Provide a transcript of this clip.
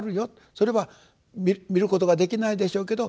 それは見ることができないでしょうけど